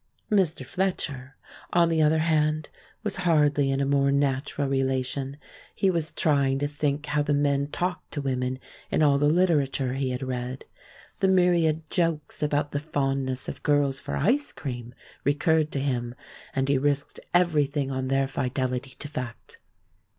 Mr. Fletcher, on the other hand, was hardly in a more natural relation. He was trying to think how the men talked to women in all the literature he had read. The myriad jokes about the fondness of girls for ice cream recurred to him, and he risked everything on their fidelity to fact.